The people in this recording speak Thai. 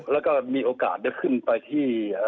แล้วก็มีโอกาสได้ขึ้นไปที่